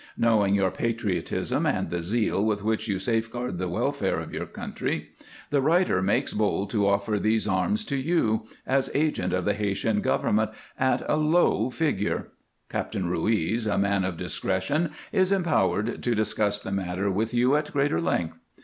Knowing your patriotism and the zeal with which you safeguard the welfare of your country, the writer makes bold to offer these arms to you, as agent of the Haytian government, at a low figure. Captain Ruiz, a man of discretion, is empowered to discuss the matter with you at greater length.